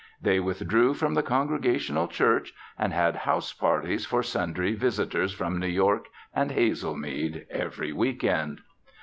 They withdrew from the Congregational Church and had house parties for sundry visitors from New York and Hazelmead every week end.